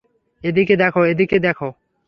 এদিকে দেখো, এদিকে দেখো।